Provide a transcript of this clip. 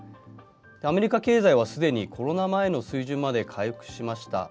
アメリカ経済はすでにコロナ前の水準まで回復しました。